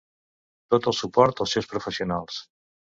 Tot el suport als seus professionals.